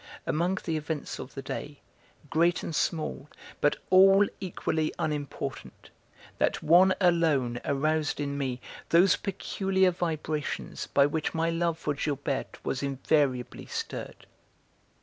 Among the events of the day, great and small, but all equally unimportant, that one alone aroused in me those peculiar vibrations by which my love for Gilberte was invariably stirred.